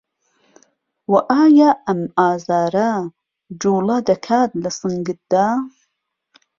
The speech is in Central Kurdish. و ئایا ئەم ئازاره جووڵه دەکات لە سنگتدا؟